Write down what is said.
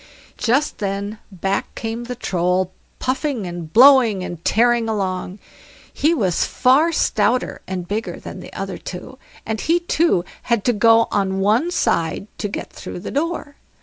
Just then back came the Troll puffing and blowing and tearing along. He was far stouter and bigger than the other two, and he too had to go on one side to get through the door.